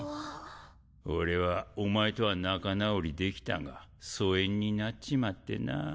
俺はお前とは仲直りできたが疎遠になっちまってな。